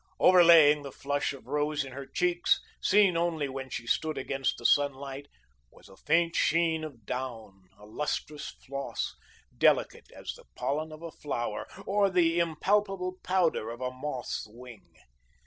Overlaying the flush of rose in her cheeks, seen only when she stood against the sunlight, was a faint sheen of down, a lustrous floss, delicate as the pollen of a flower, or the impalpable powder of a moth's wing.